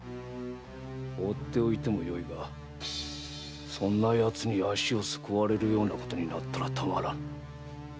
ほうっておいてもよいがそんな奴に足をすくわれるようなことになったら堪らぬ。